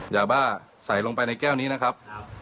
ยาบ้าใส่ลงไปในแก้วนี้นะครับ